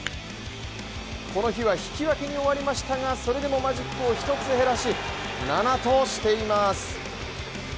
この日は引き分けに終わりましたがそれでもマジックを１つ減らし７としています。